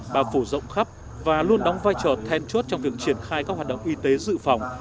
bà phủ rộng khắp và luôn đóng vai trò then chốt trong việc triển khai các hoạt động y tế dự phòng